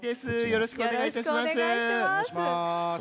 よろしくお願いします。